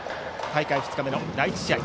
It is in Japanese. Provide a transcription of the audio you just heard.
大会２日目の第１試合。